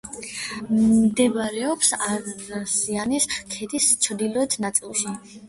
მდებარეობს არსიანის ქედის ჩრდილოეთ ნაწილში.